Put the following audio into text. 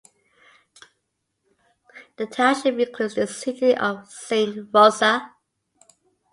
The township includes the city of Saint Rosa.